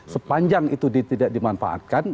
sepanjang itu tidak dimanfaatkan